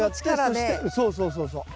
そうそうそうそう。